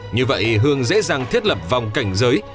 như vậy hương dễ dàng thiết lập vòng cảnh giới